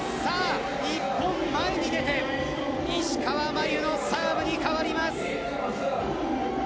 日本前に出て石川真佑のサーブに変わります。